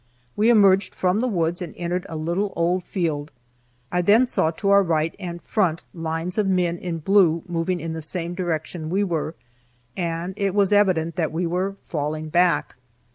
We emerged from the woods and entered a little old field. I then saw to our right and front lines of men in blue moving in the same direction we were, and it was evident that we were falling back.